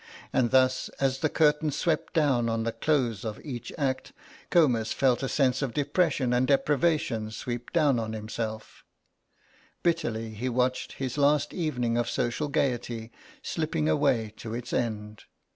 And thus, as the curtain swept down on the close of each act, Comus felt a sense of depression and deprivation sweep down on himself; bitterly he watched his last evening of social gaiety slipping away to its end.